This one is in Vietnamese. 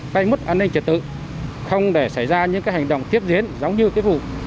cây mất an ninh trật tự không để xảy ra những hành động tiếp diễn giống như cái vụ